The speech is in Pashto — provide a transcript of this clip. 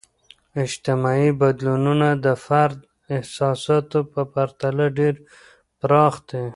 اجتماعي بدلونونه د فرد احساساتو په پرتله ډیر پراخ دي.